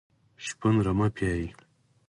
شپون رمه پيایي.